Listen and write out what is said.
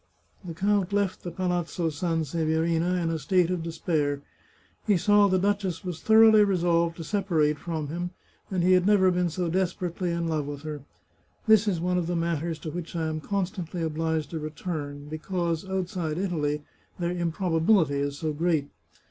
The count left the Palazzo Sanseverina in a state of despair. He saw the duchess was thoroughly resolved to separate from him, and he had never been so desperately in love with her. This is one of the matters to which I am constantly obliged to return, because, outside Italy, their improbability is so great.